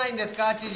知事。